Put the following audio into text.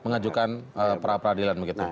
mengajukan prapradilan begitu